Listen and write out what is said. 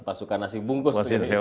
pasukan nasi bungkus